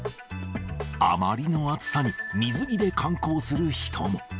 あまりの暑さに、水着で観光する人も。